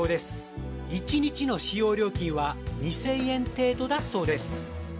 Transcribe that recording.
１日の使用料金は２０００円程度だそうです。